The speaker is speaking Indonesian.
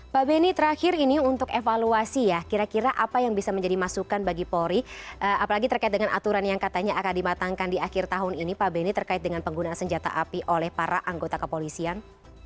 pak beni terakhir ini untuk evaluasi ya kira kira apa yang bisa menjadi masukan bagi polri apalagi terkait dengan aturan yang katanya akan dimatangkan di akhir tahun ini pak benny terkait dengan penggunaan senjata api oleh para anggota kepolisian